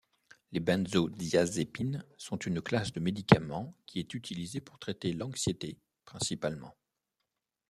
Les benzodiazépines sont une classe de médicaments qui est utilisée pour traiter l'anxiété principalement.